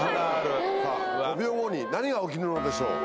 さぁ５秒後に何が起きるのでしょう？